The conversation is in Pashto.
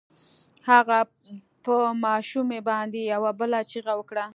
هغه په ماشومې باندې يوه بله چيغه وکړه.